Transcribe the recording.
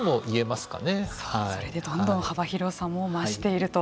それでどんどん幅広さも増していると。